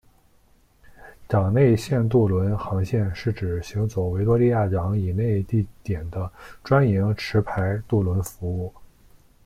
港内线渡轮航线是指行走维多利亚港以内地点的专营持牌渡轮服务。